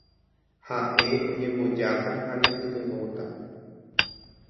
Ha'e oñembojáta ha nepytyvõta.